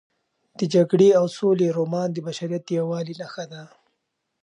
د جګړې او سولې رومان د بشریت د یووالي نښه ده.